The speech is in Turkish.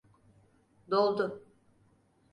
Doldu.